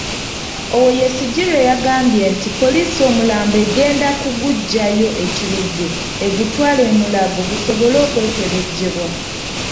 Owoyesigire yagambye nti poliisi omulambo egenda kuguggyayo e Kiruddu egutwale e Mulago gusobola okwekebejjebwa.